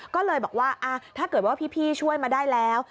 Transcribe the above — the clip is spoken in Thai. ก็เลยบอกว่าถ้าเกิดว่าพี่ช่วยมาได้แล้ว